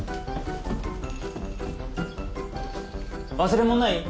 忘れ物ない？